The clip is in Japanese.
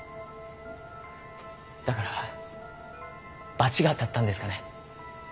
だから罰が当たったんですかね。